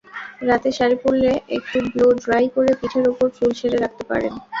রাতে শাড়ি পরলে একটু ব্লো ড্রাই করে পিঠের ওপর চুল ছেড়ে রাখতে পারেন।